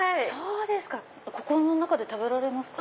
ここの中で食べられますか？